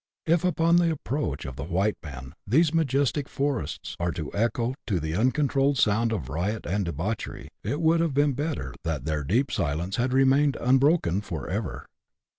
If, upon the approach of the white man, these majestic forests are to echo to the uncontrolled sound of riot and debauchery, it would have been better that their deep silence had remained unbroken for ever.